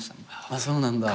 あっそうなんだ。